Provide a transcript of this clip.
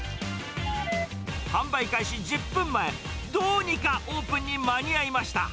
販売開始１０分前、どうにかオープンに間に合いました。